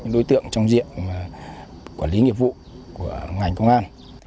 đối tượng trong diện quản lý nghiệp vụ của ngành công an